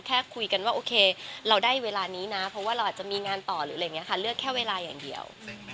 แค่คุยกันว่าโอเคเราได้เวลานี้นะเพราะว่าเราอาจจะมีงานต่อหรืออะไรอย่างนี้ค่ะเลือกแค่เวลาอย่างเดียว